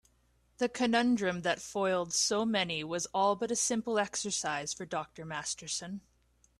The conundrum that foiled so many was all but a simple exercise for Dr. Masterson.